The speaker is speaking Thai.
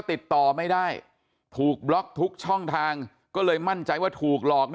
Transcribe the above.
ติดต่อไม่ได้ถูกบล็อกทุกช่องทางก็เลยมั่นใจว่าถูกหลอก